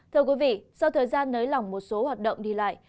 thưa quý vị sau thời gian nới lỏng một số hoạt động đi lại